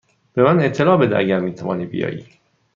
به من اطلاع بده اگر می توانی بیایی.